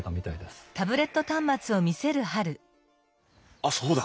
あっそうだ。